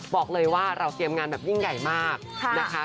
บอกเลยว่าเราเตรียมงานแบบยิ่งใหญ่มากนะคะ